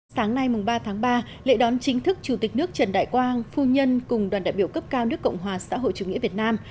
sáng nay ba tháng ba lễ đón chính thức chủ tịch nước trần đại quang phu nhân cùng đoàn đại biểu cấp cao nước cộng hòa xã hội chủ nghĩa việt nam